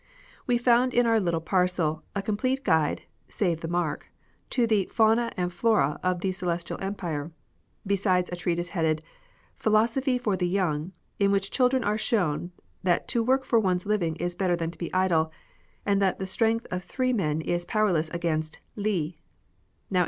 We found in our little parcel a complete guide (save the mark !) to the Fauna and Flora of the Celestial Empire, be sides a treatise headed Philosophy for the Young," in which children are shown that to work for one's living is better than to be idle, and that the strength of three men is powerless against Li.